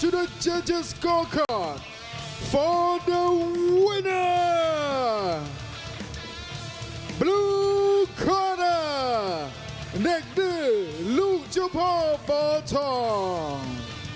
เด็กดื้อลูกเจ้าพ่อปอทอง